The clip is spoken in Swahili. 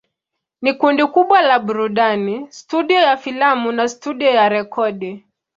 Ni kundi kubwa la burudani, studio ya filamu na studio ya rekodi.